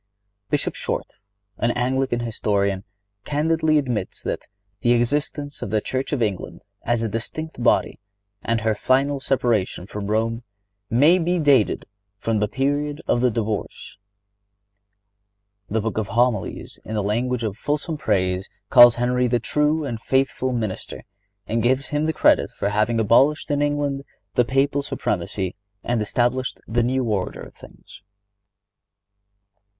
Bishop Short, an Anglican historian, candidly admits that "the existence of the Church of England as a distinct body, and her final separation from Rome, may be dated from the period of the divorce."(97) The Book of Homilies, in the language of fulsome praise, calls Henry "the true and faithful minister," and gives him the credit for having abolished in England the Papal supremacy and established the new order of things.